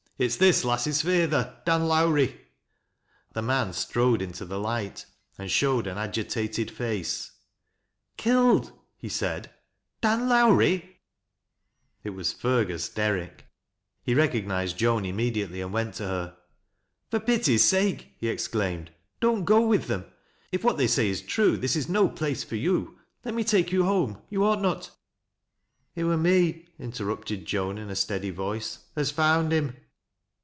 " It's this lass's feyther, Dan Iiowrie." The man strode into the light and showed an agitated [ace. « Killed !' he said, " Dan Tx)wrie 1 " It was Fergus Derrick. THIS BLIP OF PAPER. 201 He recognized Joan inimediatelj, and went to her. "For pity's sake," he exclaimed, " don't go with them If what they say is true, this is no place for you. Let irn> take you home. You ought not "" It wur me," interrupted Joan, in a steady voice, " af found him."